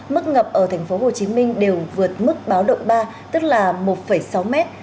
mức ngập ở tp hcm đều vượt mức báo động ba tức là một sáu mét